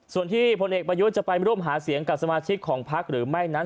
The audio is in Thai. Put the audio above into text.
ส่วนที่พลเอกประยุทธ์จะไปร่วมหาเสียงกับสมาชิกของพักหรือไม่นั้น